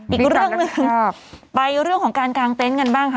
อีกเรื่องหนึ่งไปเรื่องของการกางเต็นต์กันบ้างค่ะ